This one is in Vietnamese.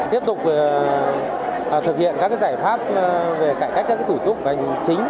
tiếp tục thực hiện các giải pháp về cải cách các thủ tục hành chính